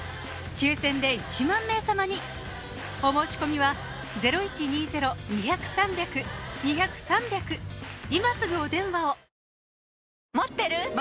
抽選で１万名様にお申し込みは今すぐお電話を！